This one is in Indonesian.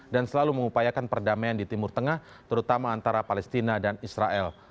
dan selalu mengupayakan perdamaian di timur tengah terutama antara palestina dan israel